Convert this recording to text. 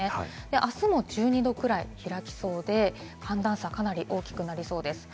あすも１２度くらい開きそうで、寒暖差がかなり大きくなりそうです。